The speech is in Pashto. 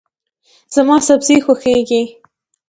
زما سبزي خوښیږي.